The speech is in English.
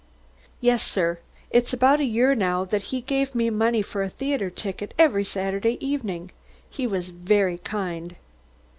"Yes, sir. It's about a year now that he gave me money for a theatre ticket every Saturday evening. He was very kind."